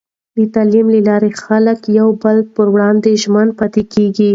د تعلیم له لارې، خلک د یو بل پر وړاندې ژمن پاتې کېږي.